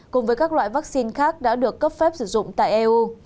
cùng với các loại vaccine khác đã được cấp phép sử dụng tại eu